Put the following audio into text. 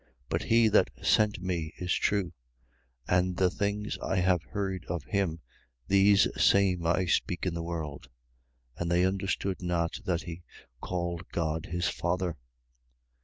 But he that sent me, is true: and the things I have heard of him, these same I speak in the world. 8:27. And they understood not that he called God his Father.